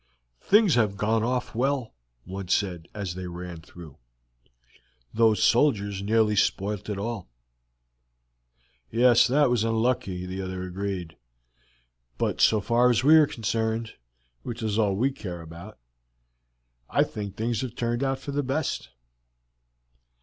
"Things have gone off well," one said as they ran through. "Those soldiers nearly spoilt it all." "Yes, that was unlucky," the other agreed; "but so far as we are concerned, which is all we care about, I think things have turned out for the best."